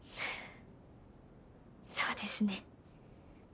そうですね。